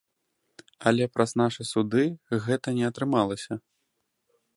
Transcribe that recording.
Але праз нашы суды гэта не атрымалася.